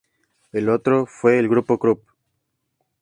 El otro fue el grupo Krupp.